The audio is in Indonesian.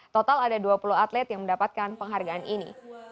total ada dua puluh atlet yang mendapatkan penghargaan ini